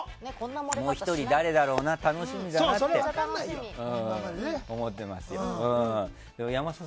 もう１人、誰だろう楽しみだなって思ってますよ。